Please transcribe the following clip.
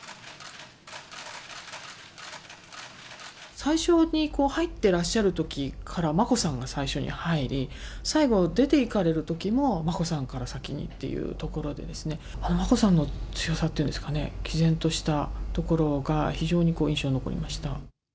最初に入ってらっしゃるときから、眞子さんが最初に入り、最後出ていかれるときも眞子さんから先にっていうところで、ああ、眞子さんの強さっていうんですかね、きぜんとしたところが非常に印象に残りました。